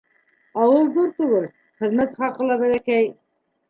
Ауыл ҙур түгел, хеҙмәт хаҡы ла бәләкәй.